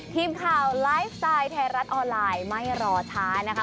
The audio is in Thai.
ทีมข่าวไลฟ์สไตล์ไทยรัฐออนไลน์ไม่รอช้านะคะ